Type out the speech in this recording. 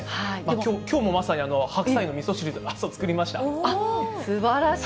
きょうもまさに白菜のみそ汁を、すばらしい。